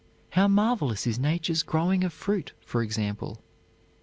How marvelous is Nature's growing of fruit, for example!